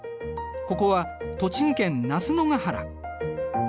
ここは栃木県那須野が原。